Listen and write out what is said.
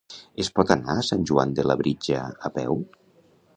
Es pot anar a Sant Joan de Labritja a peu?